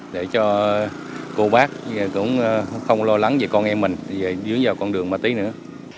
để cho cô bác cũng không lo lắng về con em mình dưới vào con đường mà tí nữa